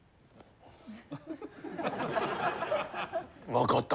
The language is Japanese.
分かった。